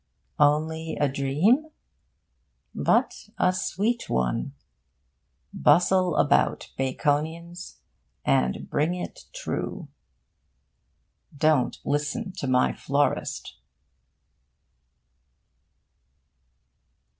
Only a dream? But a sweet one. Bustle about, Baconians, and bring it true. Don't listen to my florist.